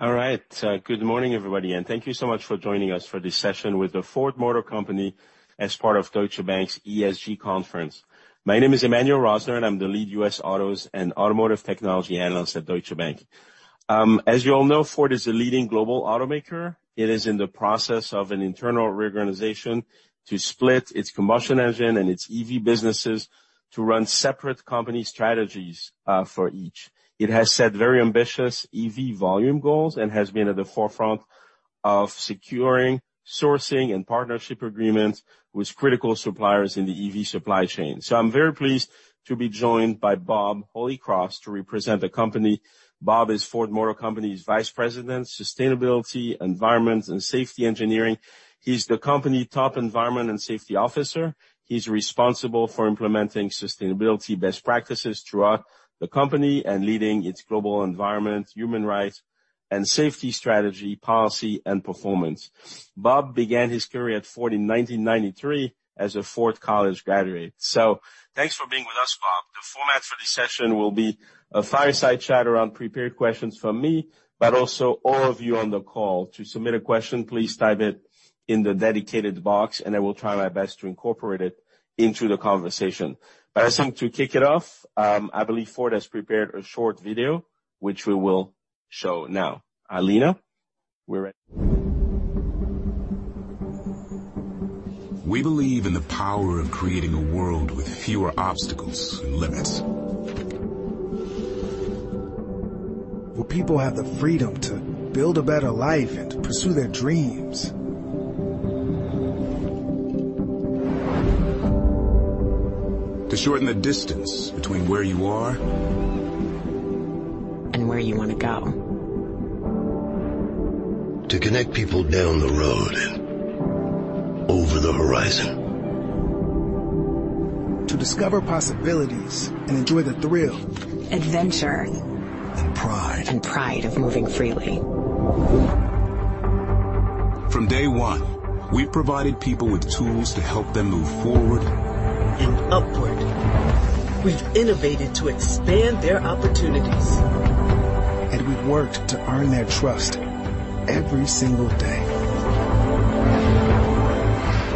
All right. Good morning, everybody, thank you so much for joining us for this session with the Ford Motor Company as part of Deutsche Bank's ESG conference. My name is Emmanuel Rosner, and I'm the Lead U.S. Autos and Automotive Technology Analyst at Deutsche Bank. As you all know, Ford is a leading global automaker. It is in the process of an internal reorganization to split its combustion engine and its EV businesses to run separate company strategies for each. It has set very ambitious EV volume goals and has been at the forefront of securing, sourcing, and partnership agreements with critical suppliers in the EV supply chain. I'm very pleased to be joined by Bob Holycross to represent the company. Bob is Ford Motor Company's Vice President, Sustainability, Environment and Safety Engineering. He's the company's top Environment and Safety Officer. He's responsible for implementing sustainability best practices throughout the company and leading its global environment, human rights, and safety strategy, policy, and performance. Bob began his career at Ford in 1993 as a Ford College Graduate. Thanks for being with us, Bob. The format for this session will be a fireside chat around prepared questions from me, but also all of you on the call. To submit a question, please type it in the dedicated box and I will try my best to incorporate it into the conversation. I think to kick it off, I believe Ford has prepared a short video which we will show now. Alina, we're ready. We believe in the power of creating a world with fewer obstacles and limits. Where people have the freedom to build a better life and to pursue their dreams. To shorten the distance between where you are... And where you wanna go. To connect people down the road and over the horizon. To discover possibilities and enjoy the thrill- Pride of moving freely. From day one, we've provided people with tools to help them move forward. Upward. We've innovated to expand their opportunities. We've worked to earn their trust every single day.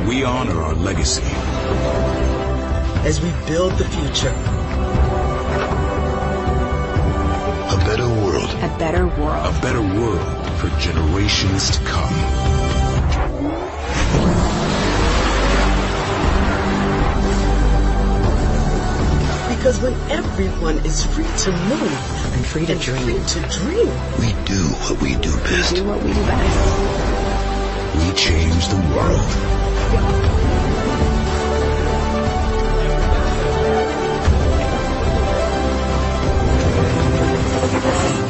We honor our legacy. As we build the future. A better world. A better world. A better world for generations to come. Because when everyone is free to move. Free to dream. Free to dream. We do what we do best. We change the world.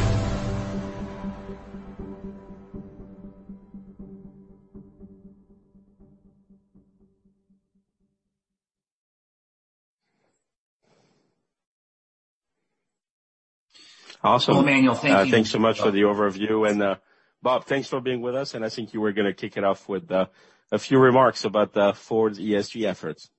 Awesome. Well, Emmanuel, thank you. Thanks so much for the overview. Bob, thanks for being with us. I think you were gonna kick it off with a few remarks about Ford's ESG efforts.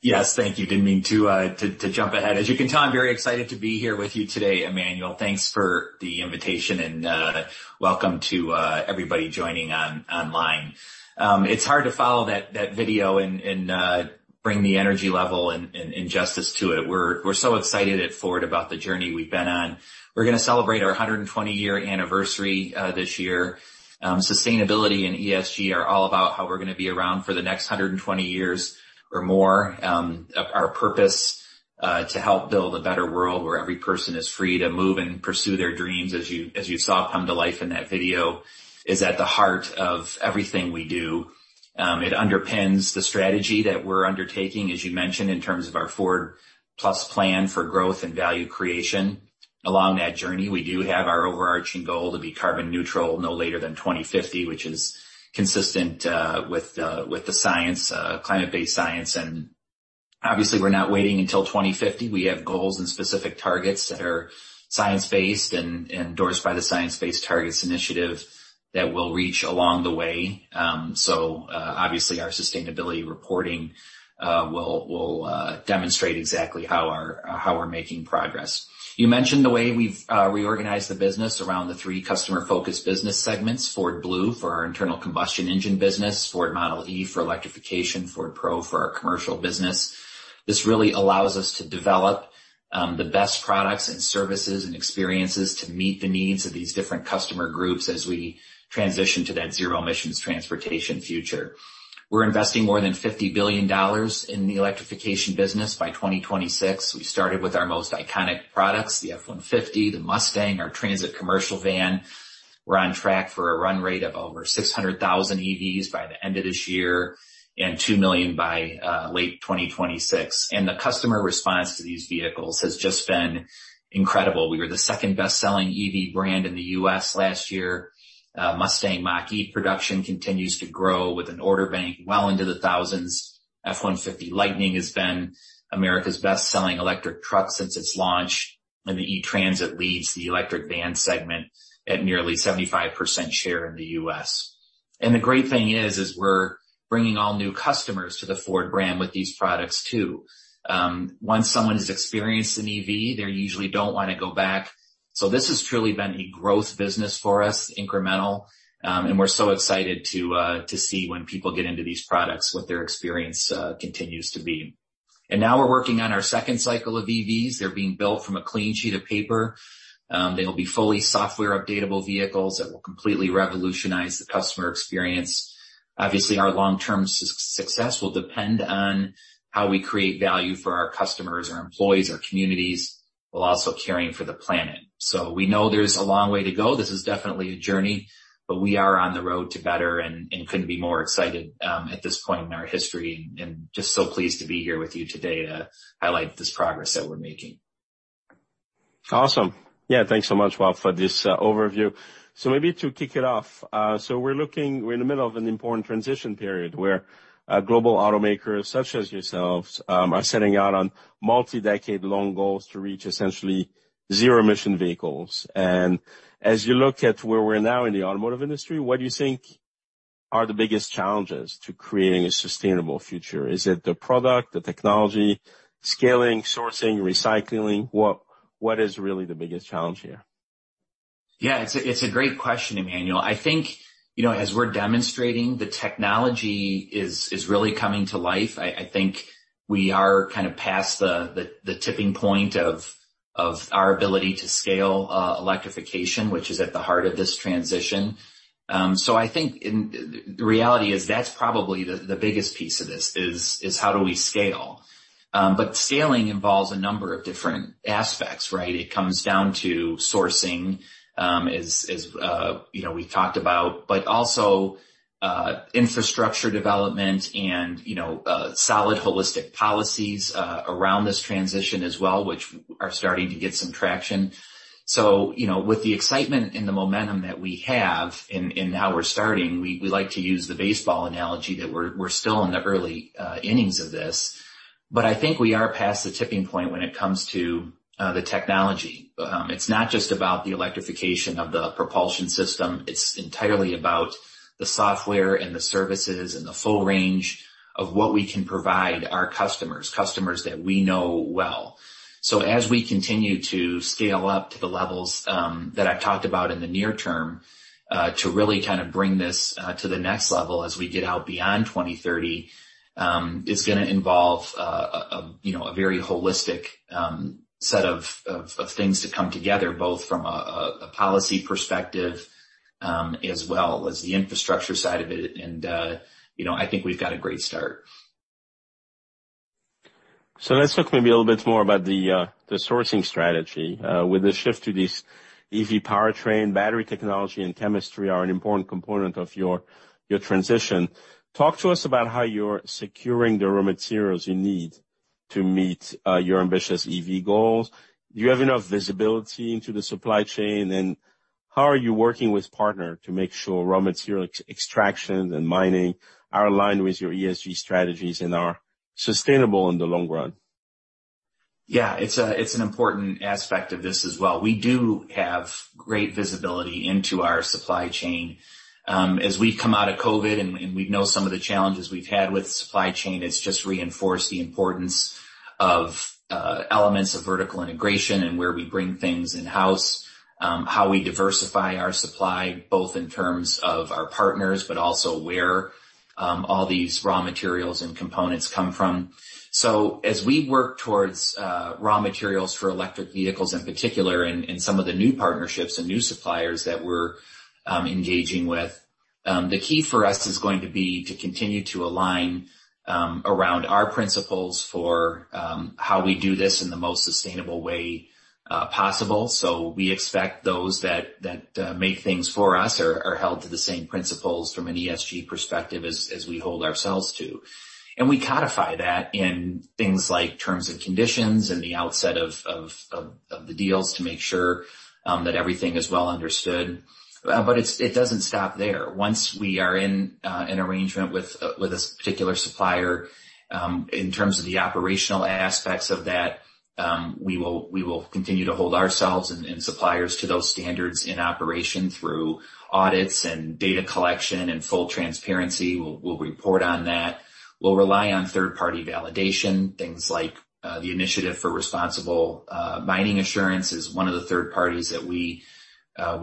Yes, thank you. Didn't mean to jump ahead. As you can tell, I'm very excited to be here with you today, Emmanuel. Thanks for the invitation and welcome to everybody joining online. It's hard to follow that video and bring the energy level and justice to it. We're so excited at Ford about the journey we've been on. We're gonna celebrate our 120 year anniversary this year. Sustainability and ESG are all about how we're gonna be around for the next 120 years or more. Our purpose to help build a better world where every person is free to move and pursue their dreams, as you saw come to life in that video, is at the heart of everything we do. It underpins the strategy that we're undertaking, as you mentioned, in terms of our Ford+ plan for growth and value creation. Along that journey, we do have our overarching goal to be carbon neutral no later than 2050, which is consistent with the science, climate-based science. Obviously, we're not waiting until 2050. We have goals and specific targets that are science-based and endorsed by the Science Based Targets initiative that we'll reach along the way. Obviously, our sustainability reporting will demonstrate exactly how we're making progress. You mentioned the way we've reorganized the business around the three customer-focused business segments, Ford Blue for our internal combustion engine business, Ford Model e for electrification, Ford Pro for our commercial business. This really allows us to develop the best products and services and experiences to meet the needs of these different customer groups as we transition to that zero emissions transportation future. We're investing more than $50 billion in the electrification business by 2026. We started with our most iconic products, the F-150, the Mustang, our Transit commercial van. We're on track for a run rate of over 600,000 EVs by the end of this year and 2 million by late 2026. The customer response to these vehicles has just been incredible. We were the second best-selling EV brand in the US last year. Mustang Mach-E production continues to grow with an order bank well into the thousands. F-150 Lightning has been America's best-selling electric truck since its launch. The E-Transit leads the electric van segment at nearly 75% share in the U.S. The great thing is we're bringing all new customers to the Ford brand with these products too. Once someone has experienced an EV, they usually don't wanna go back. This has truly been a growth business for us, incremental, and we're so excited to see when people get into these products, what their experience continues to be. Now we're working on our second cycle of EVs. They're being built from a clean sheet of paper. They'll be fully software updatable vehicles that will completely revolutionize the customer experience. Obviously, our long-term success will depend on how we create value for our customers, our employees, our communities, while also caring for the planet. We know there's a long way to go. This is definitely a journey, but we are on the road to better and couldn't be more excited at this point in our history and just so pleased to be here with you today to highlight this progress that we're making. Awesome. Yeah, thanks so much, Bob, for this overview. Maybe to kick it off, we're in the middle of an important transition period where global automakers, such as yourselves, are setting out on multi-decade long goals to reach essentially zero-emission vehicles. As you look at where we're now in the automotive industry, what do you think are the biggest challenges to creating a sustainable future? Is it the product, the technology, scaling, sourcing, recycling? What is really the biggest challenge here? Yeah, it's a great question, Emmanuel. I think, you know, as we're demonstrating, the technology is really coming to life. I think we are kind of past the tipping point of our ability to scale electrification, which is at the heart of this transition. The reality is that's probably the biggest piece of this is how do we scale? Scaling involves a number of different aspects, right? It comes down to sourcing, as, you know, we talked about, but also infrastructure development and, you know, solid holistic policies around this transition as well, which are starting to get some traction. You know, with the excitement and the momentum that we have in how we're starting, we like to use the baseball analogy that we're still in the early innings of this. I think we are past the tipping point when it comes to the technology. It's not just about the electrification of the propulsion system. It's entirely about the software and the services and the full range of what we can provide our customers that we know well. As we continue to scale up to the levels, that I've talked about in the near term, to really kind of bring this to the next level as we get out beyond 2030, is gonna involve, you know, a very holistic set of things to come together, both from a policy perspective, as well as the infrastructure side of it. You know, I think we've got a great start. Let's talk maybe a little bit more about the sourcing strategy. With the shift to this EV powertrain, battery technology and chemistry are an important component of your transition. Talk to us about how you're securing the raw materials you need to meet your ambitious EV goals. Do you have enough visibility into the supply chain? How are you working with partner to make sure raw material extractions and mining are aligned with your ESG strategies and are sustainable in the long run? Yeah. It's a, it's an important aspect of this as well. We do have great visibility into our supply chain. As we've come out of COVID, and we, and we know some of the challenges we've had with supply chain, it's just reinforced the importance of elements of vertical integration and where we bring things in-house, how we diversify our supply, both in terms of our partners, but also where all these raw materials and components come from. As we work towards raw materials for electric vehicles in particular and some of the new partnerships and new suppliers that we're engaging with, the key for us is going to be to continue to align around our principles for how we do this in the most sustainable way possible. We expect those that make things for us are held to the same principles from an ESG perspective as we hold ourselves to. We codify that in things like terms and conditions in the outset of the deals to make sure that everything is well understood. It doesn't stop there. Once we are in an arrangement with a particular supplier, in terms of the operational aspects of that, we will continue to hold ourselves and suppliers to those standards in operation through audits and data collection and full transparency. We'll report on that. We'll rely on third-party validation, things like the Initiative for Responsible Mining Assurance is one of the third parties that we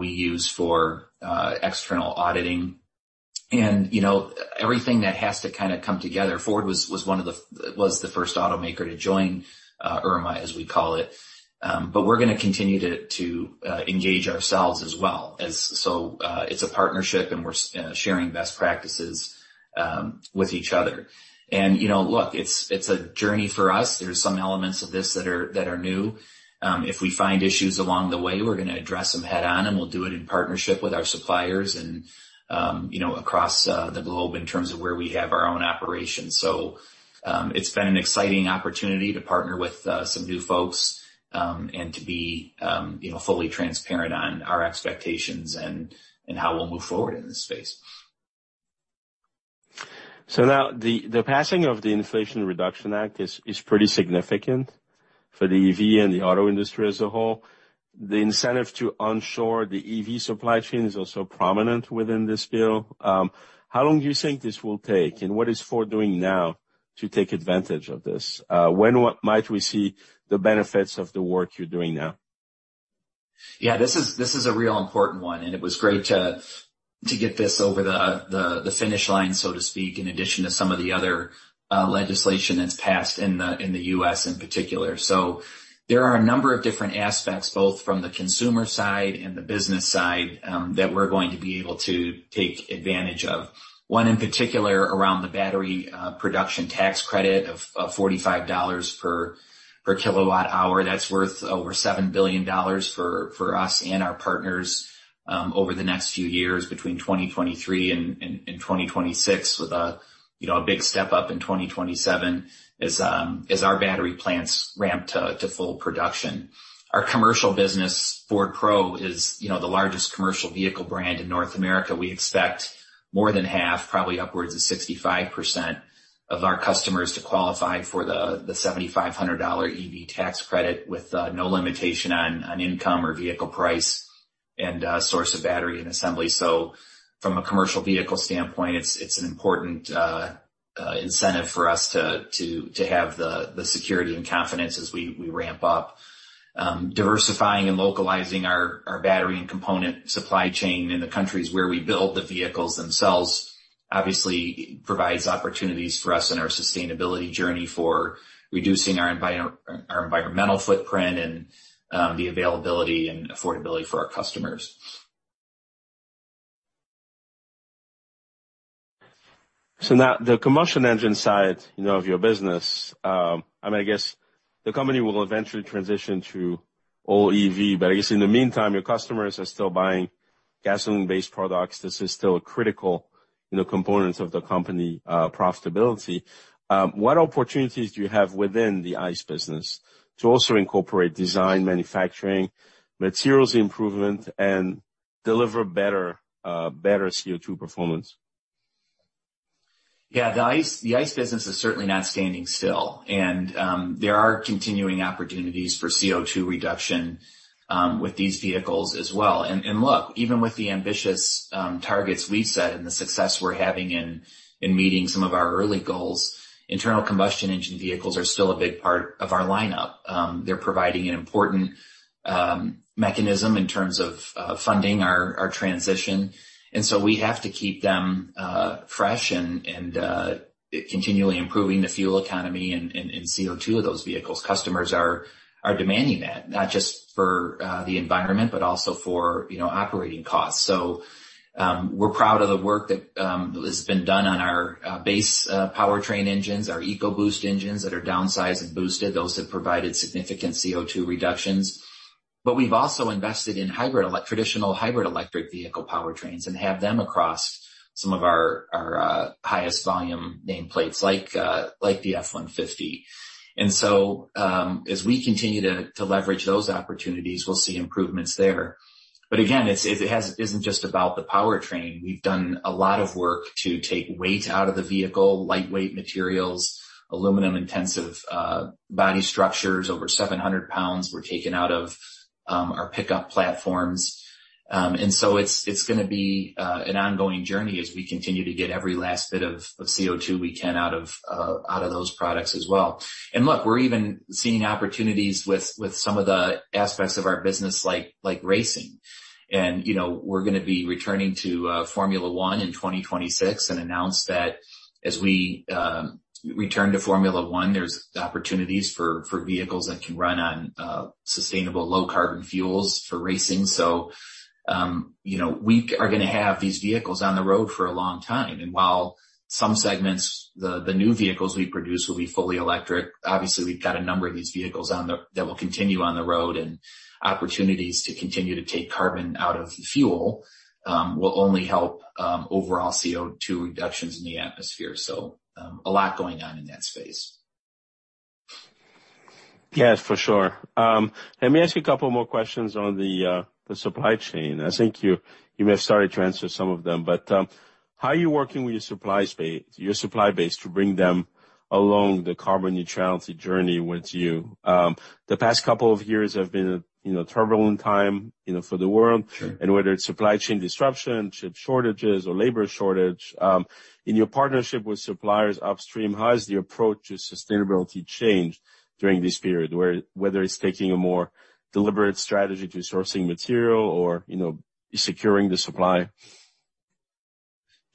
use for external auditing. you know, everything that has to kinda come together, Ford was the first automaker to join IRMA, as we call it. we're gonna continue to engage ourselves as well. it's a partnership, and we're sharing best practices with each other. you know, look, it's a journey for us. There's some elements of this that are new. If we find issues along the way, we're gonna address them head-on, and we'll do it in partnership with our suppliers and, you know, across the globe in terms of where we have our own operations. it's been an exciting opportunity to partner with some new folks and to be, you know, fully transparent on our expectations and how we'll move forward in this space. Now, the passing of the Inflation Reduction Act is pretty significant for the EV and the auto industry as a whole. The incentive to onshore the EV supply chain is also prominent within this bill. How long do you think this will take, and what is Ford doing now to take advantage of this? When might we see the benefits of the work you're doing now? Yeah. This is a real important one. It was great to get this over the finish line, so to speak, in addition to some of the other legislation that's passed in the U.S. in particular. There are a number of different aspects, both from the consumer side and the business side, that we're going to be able to take advantage of. One in particular around the battery production tax credit of $45 per kWh. That's worth over $7 billion for us and our partners over the next few years, between 2023 and 2026, with a, you know, a big step up in 2027 as our battery plants ramp to full production. Our commercial business, Ford Pro, is, you know, the largest commercial vehicle brand in North America. We expect more than half, probably upwards of 65% of our customers to qualify for the $7,500 EV tax credit with no limitation on income or vehicle price and source of battery and assembly. From a commercial vehicle standpoint, it's an important incentive for us to have the security and confidence as we ramp up. Diversifying and localizing our battery and component supply chain in the countries where we build the vehicles themselves obviously provides opportunities for us in our sustainability journey for reducing our environmental footprint and the availability and affordability for our customers. Now the combustion engine side, you know, of your business, I mean, I guess the company will eventually transition to all EV, but I guess in the meantime, your customers are still buying gasoline-based products. This is still a critical, you know, components of the company profitability. What opportunities do you have within the ICE business to also incorporate design, manufacturing, materials improvement, and deliver better CO2 performance? Yeah. The ICE business is certainly not standing still. There are continuing opportunities for CO2 reduction with these vehicles as well. Look, even with the ambitious targets we set and the success we're having in meeting some of our early goals, internal combustion engine vehicles are still a big part of our lineup. They're providing an important mechanism in terms of funding our transition. We have to keep them fresh and continually improving the fuel economy and CO2 of those vehicles. Customers are demanding that, not just for the environment, but also for, you know, operating costs. We're proud of the work that has been done on our base powertrain engines, our EcoBoost engines that are downsized and boosted. Those have provided significant CO2 reductions. We've also invested in traditional hybrid electric vehicle powertrains and have them across some of our highest volume nameplates like the F-150. As we continue to leverage those opportunities, we'll see improvements there. Again, it's, it isn't just about the powertrain. We've done a lot of work to take weight out of the vehicle, lightweight materials, aluminum-intensive body structures. Over 700 pounds were taken out of our pickup platforms. It's an ongoing journey as we continue to get every last bit of CO2 we can out of those products as well. Look, we're even seeing opportunities with some of the aspects of our business like racing. You know, we're gonna be returning to Formula 1 in 2026 and announced that as we return to Formula 1, there's opportunities for vehicles that can run on sustainable low-carbon fuels for racing. You know, we are gonna have these vehicles on the road for a long time. While some segments, the new vehicles we produce will be fully electric, obviously we've got a number of these vehicles that will continue on the road and opportunities to continue to take carbon out of the fuel will only help overall CO2 reductions in the atmosphere. A lot going on in that space. Yes, for sure. Let me ask you a couple more questions on the supply chain. I think you may have started to answer some of them. How are you working with your supply base to bring them along the carbon neutrality journey with you? The past couple of years have been a, you know, turbulent time, you know, for the world. Sure. Whether it's supply chain disruption, chip shortages, or labor shortage, in your partnership with suppliers upstream, how has your approach to sustainability changed during this period, whether it's taking a more deliberate strategy to sourcing material or, you know, securing the supply?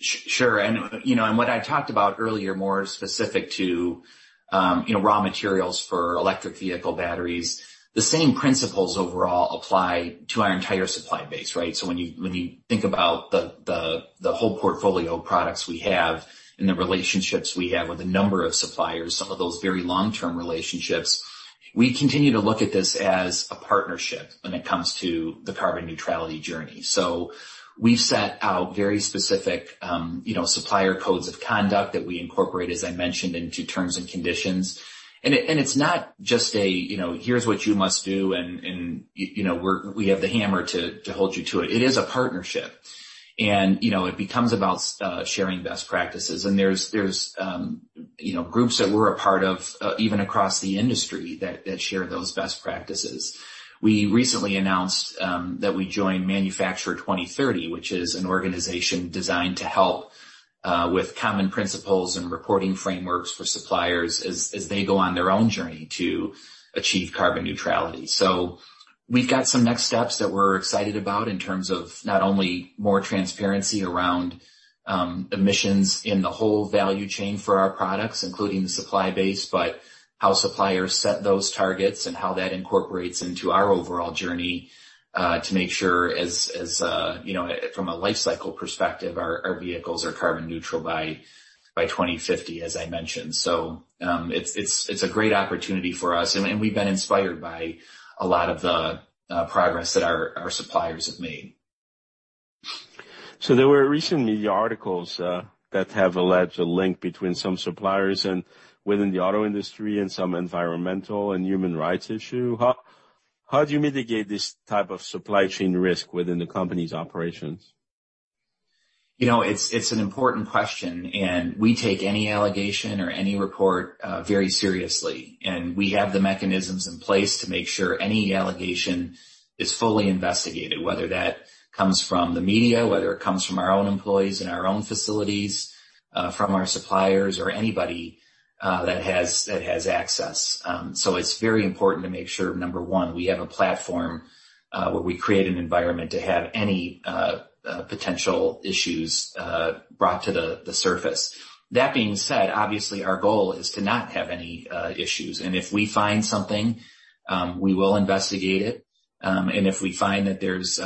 Sure. You know, what I talked about earlier, more specific to, you know, raw materials for electric vehicle batteries, the same principles overall apply to our entire supply base, right? When you think about the whole portfolio of products we have and the relationships we have with a number of suppliers, some of those very long-term relationships, we continue to look at this as a partnership when it comes to the carbon neutrality journey. We've set out very specific, you know, supplier codes of conduct that we incorporate, as I mentioned, into terms and conditions. It's not just a, you know, "Here's what you must do and, you know, we have the hammer to hold you to it." It is a partnership. You know, it becomes about sharing best practices. There's, you know, groups that we're a part of, even across the industry that share those best practices. We recently announced that we joined Manufacture 2030, which is an organization designed to help with common principles and reporting frameworks for suppliers as they go on their own journey to achieve carbon neutrality. We've got some next steps that we're excited about in terms of not only more transparency around emissions in the whole value chain for our products, including the supply base, but how suppliers set those targets and how that incorporates into our overall journey to make sure as, you know, from a life cycle perspective, our vehicles are carbon neutral by 2050, as I mentioned. It's a great opportunity for us and we've been inspired by a lot of the progress that our suppliers have made. There were recent media articles, that have alleged a link between some suppliers and within the auto industry and some environmental and human rights issue. How do you mitigate this type of supply chain risk within the company's operations? You know, it's an important question. We take any allegation or any report very seriously. We have the mechanisms in place to make sure any allegation is fully investigated, whether that comes from the media, whether it comes from our own employees in our own facilities, from our suppliers or anybody that has access. It's very important to make sure, number one, we have a platform where we create an environment to have any potential issues brought to the surface. That being said, obviously our goal is to not have any issues. If we find something, we will investigate it. If we find that there's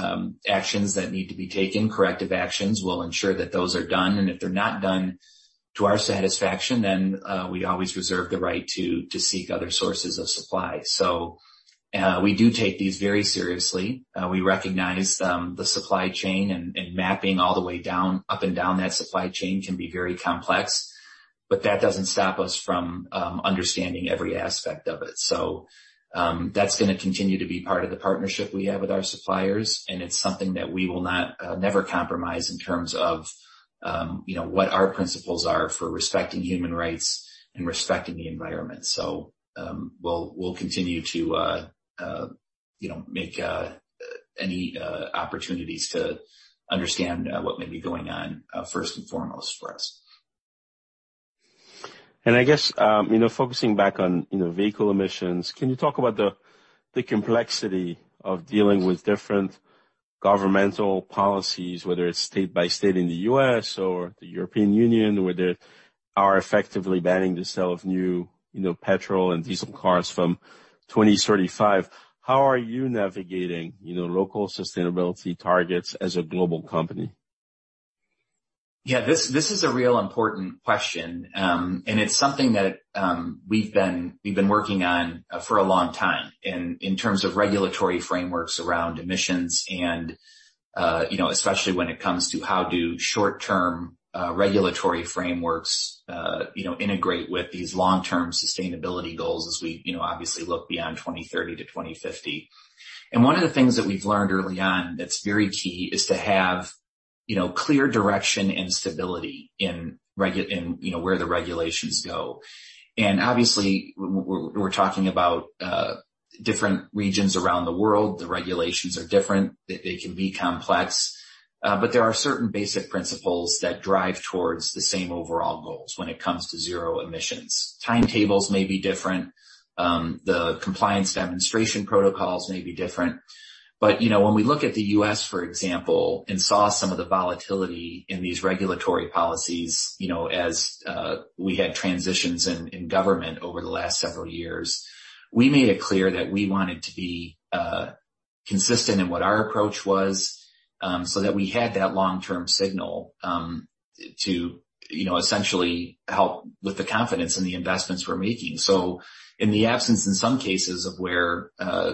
actions that need to be taken, corrective actions, we'll ensure that those are done. If they're not done to our satisfaction, then we always reserve the right to seek other sources of supply. We do take these very seriously. We recognize the supply chain and mapping all the way down, up and down that supply chain can be very complex. That doesn't stop us from understanding every aspect of it. That's gonna continue to be part of the partnership we have with our suppliers, and it's something that we will not never compromise in terms of, you know, what our principles are for respecting human rights and respecting the environment. We'll continue to, you know, make any opportunities to understand what may be going on first and foremost for us. I guess, you know, focusing back on, you know, vehicle emissions, can you talk about the complexity of dealing with different governmental policies, whether it's state by state in the U.S. or the European Union, where they are effectively banning the sale of new, you know, petrol and diesel cars from 2035. How are you navigating, you know, local sustainability targets as a global company? Yeah, this is a real important question. It's something that we've been working on for a long time in terms of regulatory frameworks around emissions and, you know, especially when it comes to how do short-term regulatory frameworks, you know, integrate with these long-term sustainability goals as we, you know, obviously look beyond 2030-2050. One of the things that we've learned early on that's very key is to have, you know, clear direction and stability in, you know, where the regulations go. Obviously we're talking about different regions around the world. The regulations are different. They can be complex. There are certain basic principles that drive towards the same overall goals when it comes to zero emissions. Timetables may be different. The compliance demonstration protocols may be different. You know, when we look at the U.S., for example, and saw some of the volatility in these regulatory policies, you know, as we had transitions in government over the last several years, we made it clear that we wanted to be consistent in what our approach was, so that we had that long-term signal to, you know, essentially help with the confidence in the investments we're making. In the absence in some cases of where,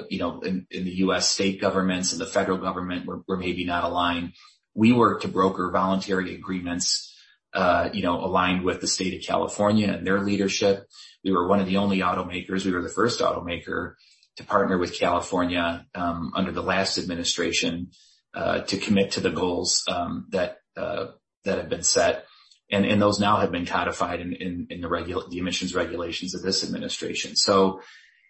you know, in the U.S. state governments and the federal government were maybe not aligned, we worked to broker voluntary agreements, you know, aligned with the state of California and their leadership. We were one of the only automakers, we were the first automaker to partner with California, under the last administration, to commit to the goals that had been set. Those now have been codified in the emissions regulations of this administration.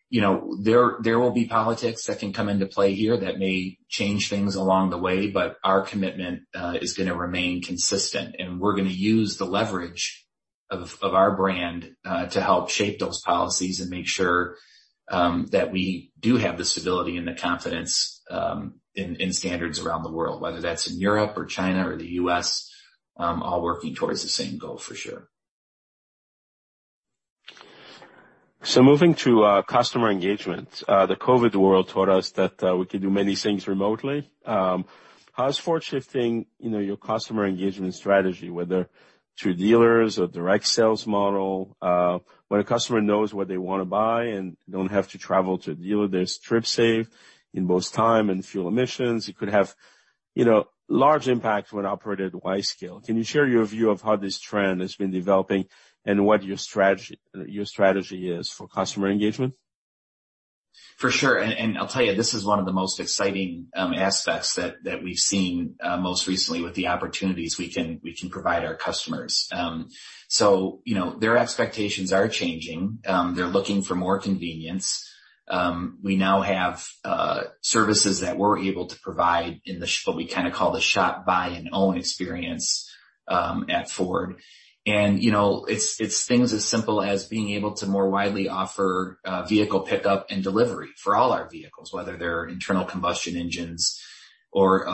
You know, there will be politics that can come into play here that may change things along the way, but our commitment is gonna remain consistent, and we're gonna use the leverage of our brand to help shape those policies and make sure that we do have the stability and the confidence in standards around the world, whether that's in Europe or China or the US, all working towards the same goal for sure. Moving to customer engagement. The COVID world taught us that we can do many things remotely. How is Ford shifting, you know, your customer engagement strategy, whether through dealers or direct sales model? When a customer knows what they wanna buy and don't have to travel to a dealer, there's trip save in both time and fuel emissions. It could have, you know, large impact when operated wide scale. Can you share your view of how this trend has been developing and what your strategy is for customer engagement? For sure. I'll tell you, this is one of the most exciting aspects that we've seen most recently with the opportunities we can, we can provide our customers. You know, their expectations are changing. They're looking for more convenience. We now have services that we're able to provide in what we kinda call the shop, buy, and own experience at Ford. You know, it's things as simple as being able to more widely offer vehicle pickup and delivery for all our vehicles, whether they're internal combustion engines or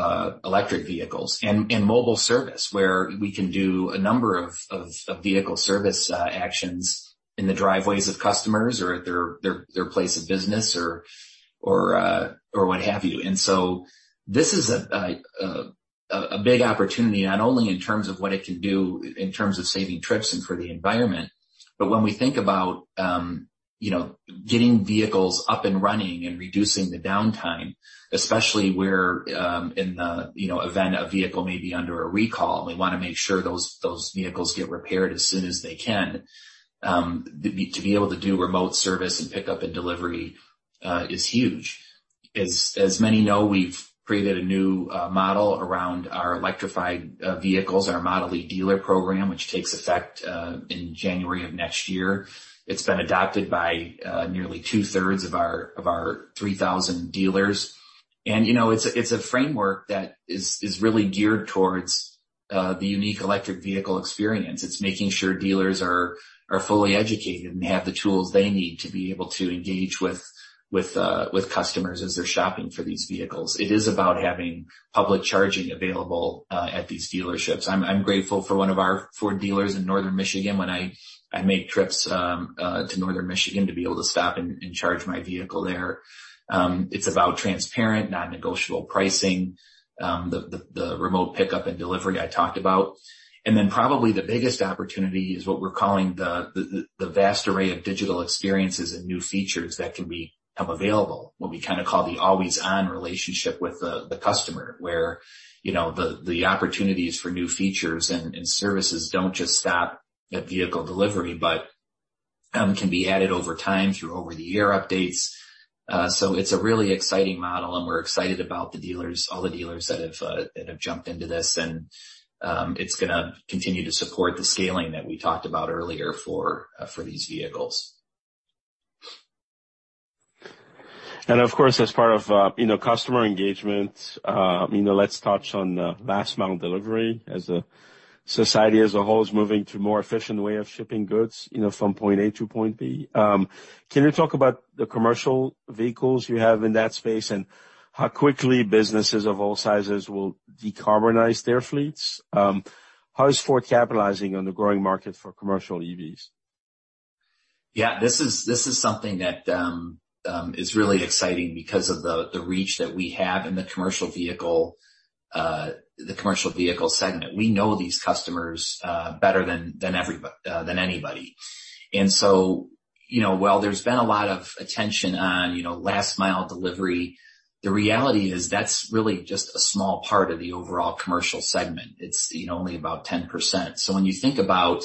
electric vehicles. Mobile service, where we can do a number of vehicle service actions in the driveways of customers or at their place of business or what have you. This is a big opportunity, not only in terms of what it can do in terms of saving trips and for the environment, but when we think about, you know, getting vehicles up and running and reducing the downtime, especially where, in the, you know, event a vehicle may be under a recall, and we wanna make sure those vehicles get repaired as soon as they can. The, to be able to do remote service and pickup and delivery is huge. As many know, we've created a new model around our electrified vehicles, our Model e dealer program, which takes effect in January of next year. It's been adopted by nearly two-thirds of our 3,000 dealers. You know, it's a framework that is really geared towards the unique electric vehicle experience. It's making sure dealers are fully educated and have the tools they need to be able to engage with customers as they're shopping for these vehicles. It is about having public charging available at these dealerships. I'm grateful for one of our Ford dealers in Northern Michigan, when I make trips to Northern Michigan, to be able to stop and charge my vehicle there. It's about transparent, non-negotiable pricing. The remote pickup and delivery I talked about. Then probably the biggest opportunity is what we're calling the vast array of digital experiences and new features that can be made available, what we kinda call the always-on relationship with the customer, where, you know, the opportunities for new features and services don't just stop at vehicle delivery, but can be added over time through over-the-air updates. It's a really exciting model, and we're excited about the dealers, all the dealers that have jumped into this. It's gonna continue to support the scaling that we talked about earlier for these vehicles. Of course, as part of, you know, customer engagement, you know, let's touch on last mile delivery as society as a whole is moving to more efficient way of shipping goods, you know, from point A to point B. Can you talk about the commercial vehicles you have in that space and how quickly businesses of all sizes will decarbonize their fleets? How is Ford capitalizing on the growing market for commercial EVs? Yeah, this is something that is really exciting because of the reach that we have in the commercial vehicle segment. We know these customers better than anybody. You know, while there's been a lot of attention on, you know, last mile delivery, the reality is that's really just a small part of the overall commercial segment. It's, you know, only about 10%. When you think about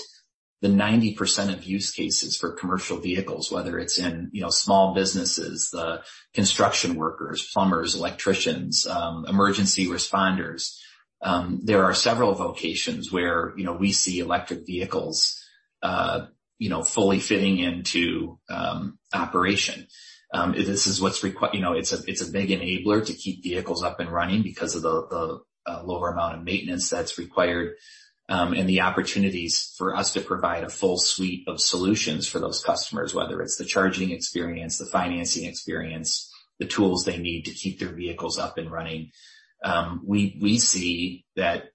the 90% of use cases for commercial vehicles, whether it's in, you know, small businesses, the construction workers, plumbers, electricians, emergency responders, there are several vocations where, you know, we see electric vehicles, you know, fully fitting into operation. This is what's, you know, it's a big enabler to keep vehicles up and running because of the lower amount of maintenance that's required and the opportunities for us to provide a full suite of solutions for those customers, whether it's the charging experience, the financing experience, the tools they need to keep their vehicles up and running. We see that,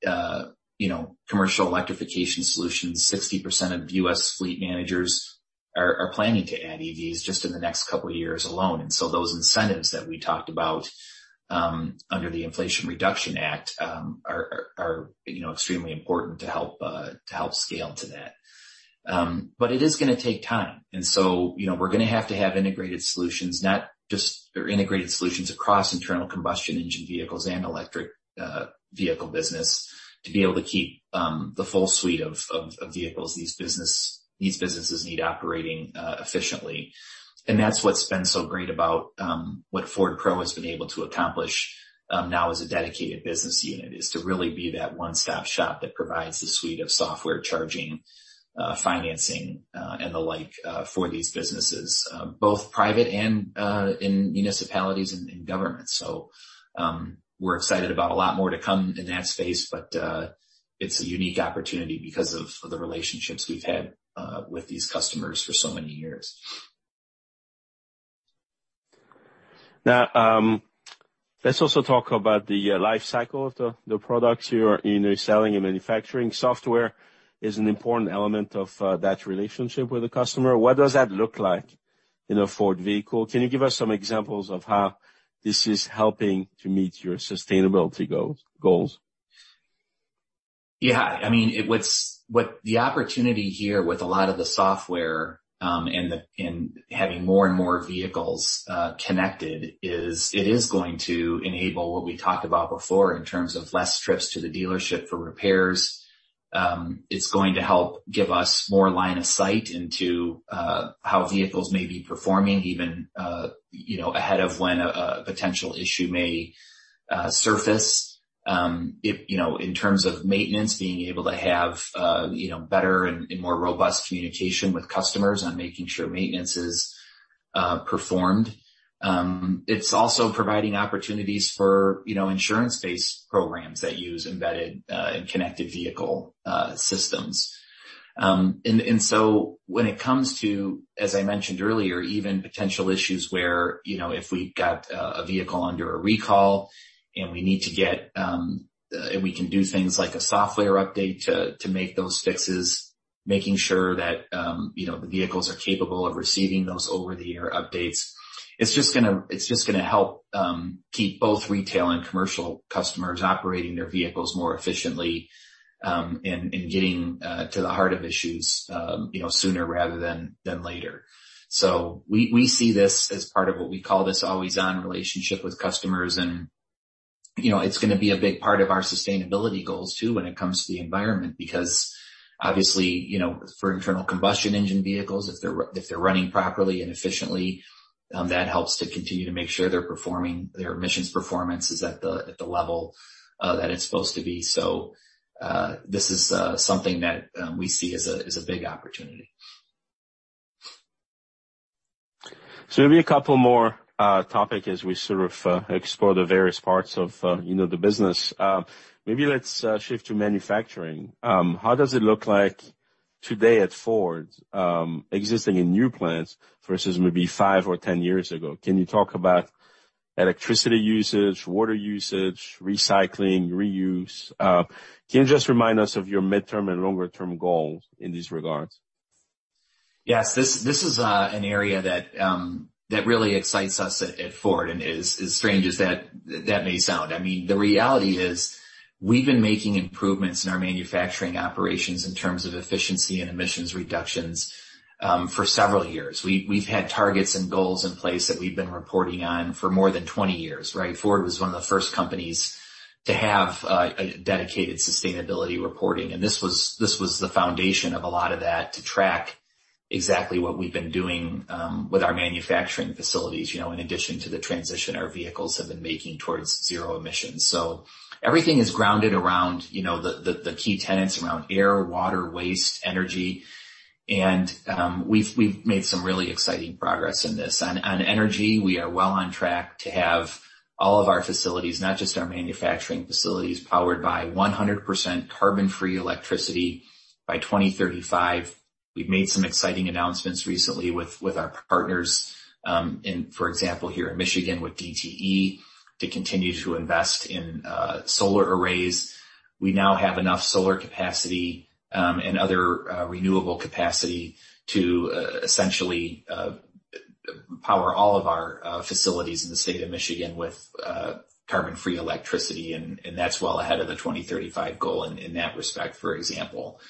you know, commercial electrification solutions, 60% of US fleet managers are planning to add EVs just in the next couple of years alone. Those incentives that we talked about under the Inflation Reduction Act are, you know, extremely important to help to help scale to that. It is gonna take time. You know, we're gonna have to have integrated solutions or integrated solutions across internal combustion engine vehicles and electric vehicle business to be able to keep the full suite of vehicles these businesses need operating efficiently. That's what's been so great about what Ford Pro has been able to accomplish now as a dedicated business unit, is to really be that one-stop shop that provides the suite of software charging, financing, and the like for these businesses, both private and in municipalities and government. We're excited about a lot more to come in that space, but it's a unique opportunity because of the relationships we've had with these customers for so many years. Let's also talk about the life cycle of the products you are, you know, selling and manufacturing. Software is an important element of that relationship with the customer. What does that look like in a Ford vehicle? Can you give us some examples of how this is helping to meet your sustainability goals? Yeah. I mean, the opportunity here with a lot of the software, and having more and more vehicles connected is going to enable what we talked about before in terms of less trips to the dealership for repairs. It's going to help give us more line of sight into how vehicles may be performing even, you know, ahead of when a potential issue may surface. You know, in terms of maintenance, being able to have, you know, better and more robust communication with customers on making sure maintenance is performed. It's also providing opportunities for, you know, insurance-based programs that use embedded and connected vehicle systems. When it comes to, as I mentioned earlier, even potential issues where, you know, if we've got a vehicle under a recall, and we need to get. We can do things like a software update to make those fixes, making sure that, you know, the vehicles are capable of receiving those over-the-air updates. It's just gonna help keep both retail and commercial customers operating their vehicles more efficiently, in getting to the heart of issues, you know, sooner rather than later. We see this as part of what we call this always-on relationship with customers, and, you know, it's gonna be a big part of our sustainability goals, too, when it comes to the environment because obviously, you know, for internal combustion engine vehicles, if they're running properly and efficiently, that helps to continue to make sure they're performing, their emissions performance is at the level that it's supposed to be. This is something that we see as a big opportunity. Maybe a couple more topic as we sort of explore the various parts of, you know, the business. Maybe let's shift to manufacturing. How does it look like today at Ford, existing in new plants versus maybe 5 or 10 years ago? Can you talk about electricity usage, water usage, recycling, reuse? Can you just remind us of your midterm and longer-term goals in these regards? Yes. This is an area that really excites us at Ford, as strange as that may sound. I mean, the reality is we've been making improvements in our manufacturing operations in terms of efficiency and emissions reductions for several years. We've had targets and goals in place that we've been reporting on for more than 20 years, right? Ford was one of the first companies to have a dedicated sustainability reporting, and this was the foundation of a lot of that to track exactly what we've been doing with our manufacturing facilities, you know, in addition to the transition our vehicles have been making towards zero emissions. Everything is grounded around, you know, the key tenets around air, water, waste, energy, and we've made some really exciting progress in this. On energy, we are well on track to have all of our facilities, not just our manufacturing facilities, powered by 100% carbon-free electricity by 2035. We've made some exciting announcements recently with our partners, for example, here in Michigan with DTE to continue to invest in solar arrays. We now have enough solar capacity and other renewable capacity to essentially power all of our facilities in the state of Michigan with carbon-free electricity, and that's well ahead of the 2035 goal in that respect, for example.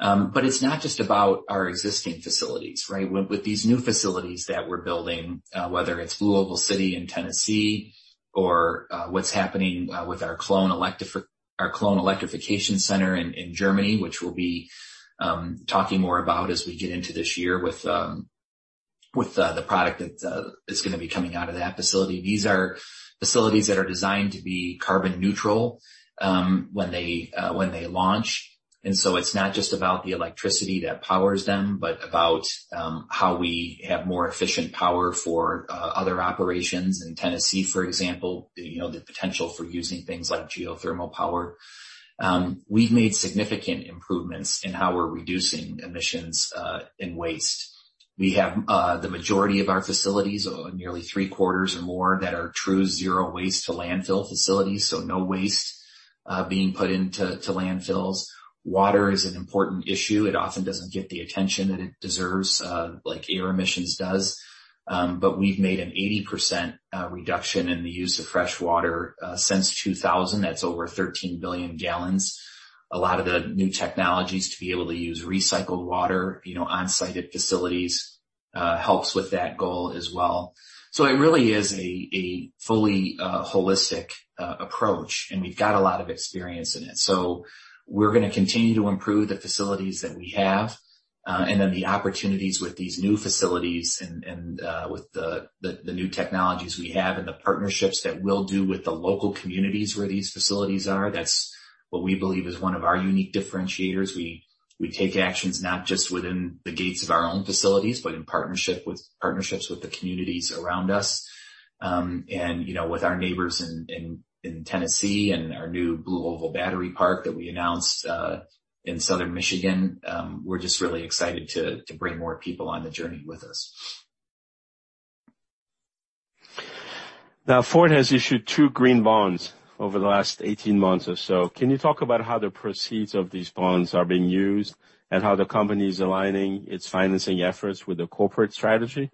It's not just about our existing facilities, right? With these new facilities that we're building, whether it's Blue Oval City in Tennessee or, what's happening with our Cologne Electrification Center in Germany, which we'll be talking more about as we get into this year with the product that is gonna be coming out of that facility. These are facilities that are designed to be carbon neutral when they launch. It's not just about the electricity that powers them, but about how we have more efficient power for other operations in Tennessee, for example. You know, the potential for using things like geothermal power. We've made significant improvements in how we're reducing emissions and waste. We have, the majority of our facilities, nearly three-quarters or more that are true zero waste to landfill facilities, so no waste, being put into to landfills. Water is an important issue. It often doesn't get the attention that it deserves, like air emissions does. But we've made an 80% reduction in the use of fresh water, since 2000. That's over 13 billion gallons. A lot of the new technologies to be able to use recycled water, you know, on-site at facilities, helps with that goal as well. It really is a fully holistic approach, and we've got a lot of experience in it. We're gonna continue to improve the facilities that we have, and then the opportunities with these new facilities and, with the new technologies we have and the partnerships that we'll do with the local communities where these facilities are. That's what we believe is one of our unique differentiators. We take actions not just within the gates of our own facilities, but in partnerships with the communities around us. You know, with our neighbors in Tennessee and our new Blue Oval Battery Park that we announced in Southern Michigan, we're just really excited to bring more people on the journey with us. Ford has issued 2 green bonds over the last 18 months or so. Can you talk about how the proceeds of these bonds are being used and how the company's aligning its financing efforts with the corporate strategy?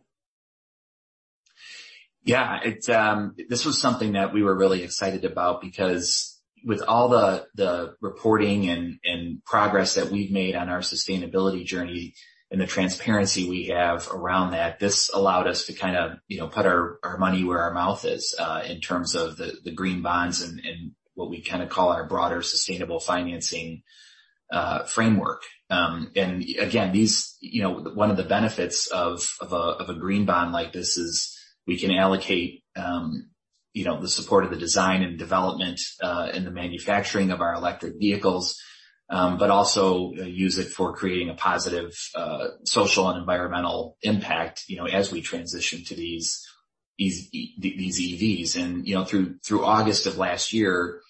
Yeah. It. This was something that we were really excited about because with all the reporting and progress that we've made on our sustainability journey and the transparency we have around that, this allowed us to kind of, you know, put our money where our mouth is, in terms of the green bonds and what we kinda call our broader sustainable financing framework. Again, these, you know, one of the benefits of a green bond like this is we can allocate, you know, the support of the design and development and the manufacturing of our electric vehicles, but also use it for creating a positive social and environmental impact, you know, as we transition to these EVs. You know, through August of last year,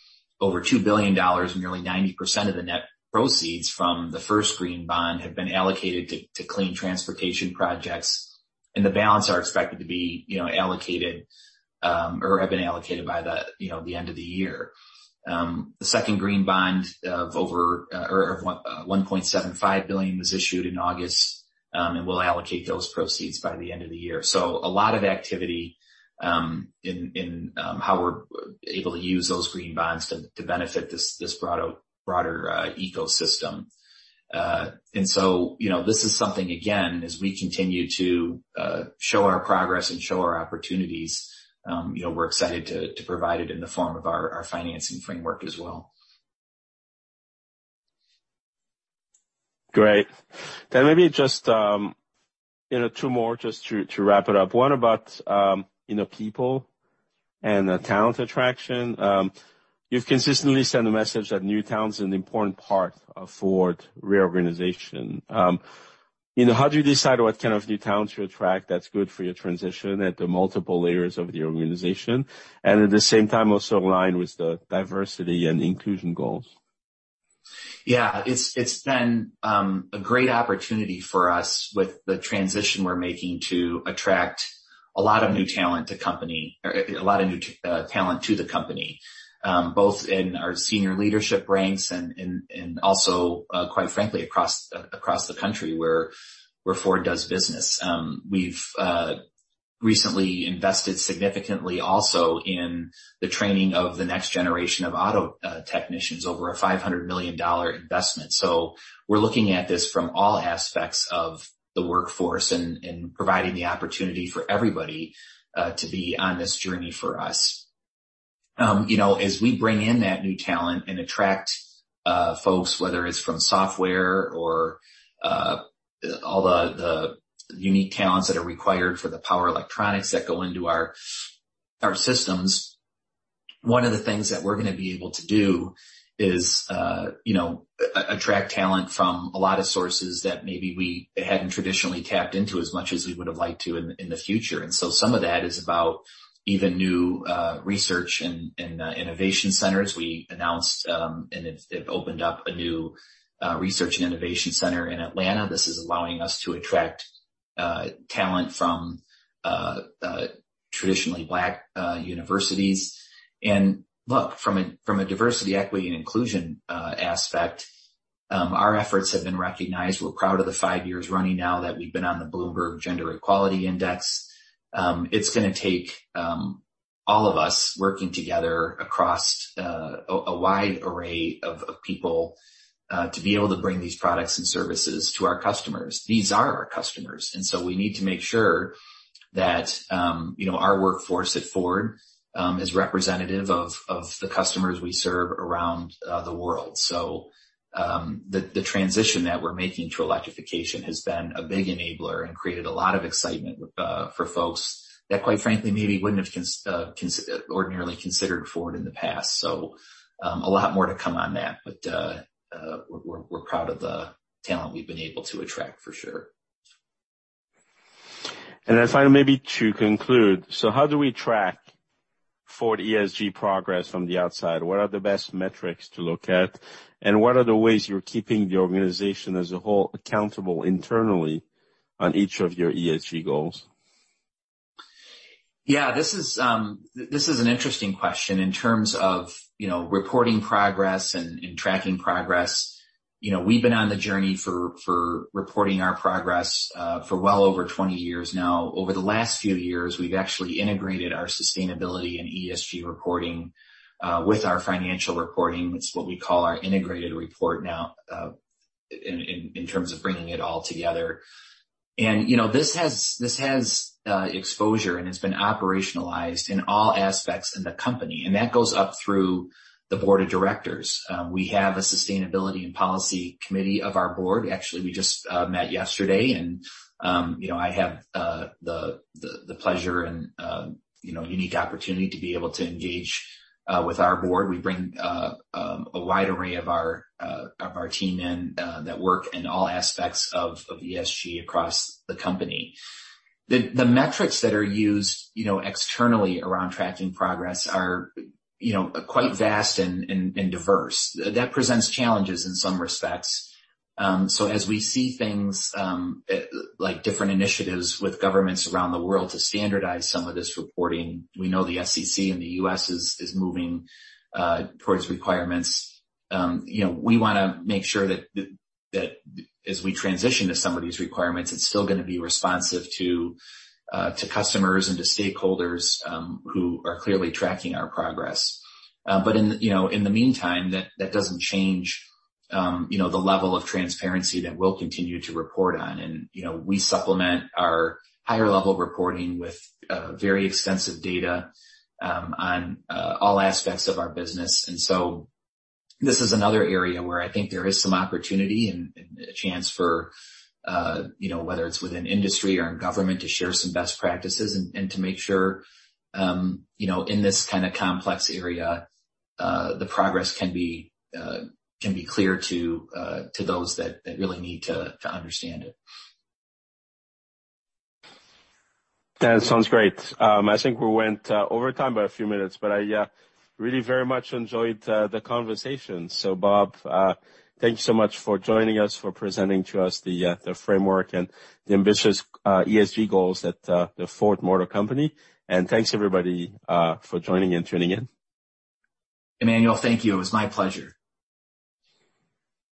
over $2 billion, nearly 90% of the net proceeds from the first green bond have been allocated to clean transportation projects, and the balance are expected to be, you know, allocated, or have been allocated by, you know, the end of the year. The second green bond of over, or $1.75 billion was issued in August, and we'll allocate those proceeds by the end of the year. A lot of activity in how we're able to use those green bonds to benefit this broader ecosystem. You know, this is something, again, as we continue to show our progress and show our opportunities, you know, we're excited to provide it in the form of our financing framework as well. Great. Maybe just, you know, two more just to wrap it up. One about, you know, people and talent attraction. You've consistently sent a message that new talent is an important part of Ford reorganization. You know, how do you decide what kind of new talent to attract that's good for your transition at the multiple layers of the organization, and at the same time, also align with the diversity and inclusion goals? Yeah. It's, it's been a great opportunity for us with the transition we're making to attract a lot of new talent to company, or a lot of new talent to the company, both in our senior leadership ranks and also, quite frankly, across the country where Ford does business. We've recently invested significantly also in the training of the next generation of auto technicians, over a $500 million investment. We're looking at this from all aspects of the workforce and providing the opportunity for everybody to be on this journey for us. You know, as we bring in that new talent and attract folks, whether it's from software or all the unique talents that are required for the power electronics that go into our systems, one of the things that we're gonna be able to do is, you know, attract talent from a lot of sources that maybe we hadn't traditionally tapped into as much as we would have liked to in the future. Some of that is about even new research and innovation centers. We announced, and it's opened up a new research and innovation center in Atlanta. This is allowing us to attract talent from traditionally black universities. Look, from a diversity, equity, and inclusion aspect, our efforts have been recognized. We're proud of the five years running now that we've been on the Bloomberg Gender-Equality Index. It's gonna take all of us working together across a wide array of people to be able to bring these products and services to our customers. These are our customers. We need to make sure that, you know, our workforce at Ford is representative of the customers we serve around the world. The transition that we're making to electrification has been a big enabler and created a lot of excitement with for folks that quite frankly, maybe wouldn't have ordinarily considered Ford in the past. A lot more to come on that. We're proud of the talent we've been able to attract for sure. Finally, maybe to conclude, how do we track Ford ESG progress from the outside? What are the best metrics to look at? What are the ways you're keeping the organization as a whole accountable internally on each of your ESG goals? Yeah. This is, this is an interesting question in terms of, you know, reporting progress and tracking progress. You know, we've been on the journey for reporting our progress for well over 20 years now. Over the last few years, we've actually integrated our sustainability and ESG reporting with our financial reporting. It's what we call our integrated report now, in terms of bringing it all together. You know, this has exposure, and it's been operationalized in all aspects in the company, and that goes up through the board of directors. We have a Sustainability and Policy Committee of our board. Actually, we just met yesterday and, you know, I have the pleasure and, you know, unique opportunity to be able to engage with our board. We bring a wide array of our team in that work in all aspects of ESG across the company. The metrics that are used, you know, externally around tracking progress are, you know, quite vast and diverse. That presents challenges in some respects. As we see things like different initiatives with governments around the world to standardize some of this reporting, we know the SEC in the U.S. is moving towards requirements. You know, we wanna make sure that as we transition to some of these requirements, it's still gonna be responsive to customers and to stakeholders who are clearly tracking our progress. In, you know, in the meantime, that doesn't change, you know, the level of transparency that we'll continue to report on. You know, we supplement our higher level reporting with very extensive data on all aspects of our business. This is another area where I think there is some opportunity and a chance for, you know, whether it's within industry or in government, to share some best practices and to make sure, you know, in this kind of complex area, the progress can be clear to those that really need to understand it. That sounds great. I think we went over time by a few minutes, but I really very much enjoyed the conversation. Bob, thank you so much for joining us, for presenting to us the framework and the ambitious ESG goals at the Ford Motor Company. Thanks, everybody, for joining and tuning in. Emmanuel, thank you. It was my pleasure.